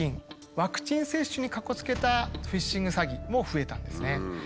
ワクチン接種にかこつけたフィッシング詐欺も増えたんですね。